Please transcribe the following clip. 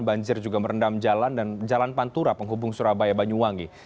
banjir juga merendam jalan dan jalan pantura penghubung surabaya banyuwangi